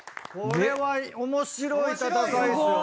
これは面白い戦いですよ。